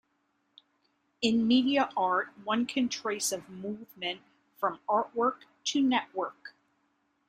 In media art, one can trace a movement from artwork to network.